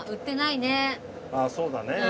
ああそうだね。